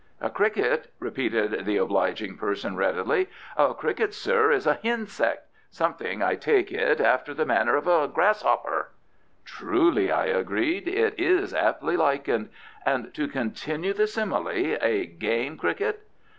"A cricket?" repeated the obliging person readily; "a cricket, sir, is a hinsect. Something, I take it, after the manner of a grass 'opper." "Truly," I agreed. "It is aptly likened. And, to continue the simile, a game cricket